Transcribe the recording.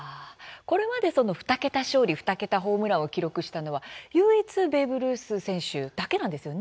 これまで２桁勝利２桁ホームランを記録したのは唯一ベーブ・ルース選手だけなんですよね。